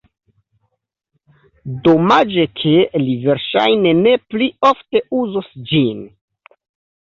Domaĝe ke li verŝajne ne pli ofte uzos ĝin.